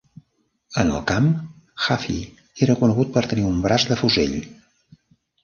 En el camp, Hafey era conegut per tenir un "braç de fusell".